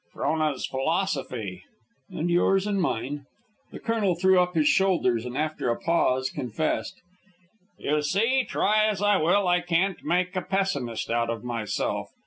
"Frona's philosophy." "And yours and mine." The colonel threw up his shoulders, and after a pause confessed. "You see, try as I will, I can't make a pessimist out of myself.